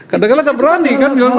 kadang kadang gak berani kan